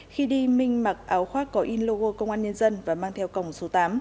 khi đi minh mặc áo khoác có in logo công an nhân dân và mang theo còng số tám